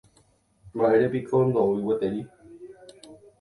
Mba'érepiko ndoúi gueteri.